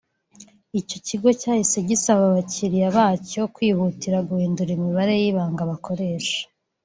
Icyo kigo cyahise gisaba abakiliya bacyo kwihutira guhindura imibare y’ibanga bakoresha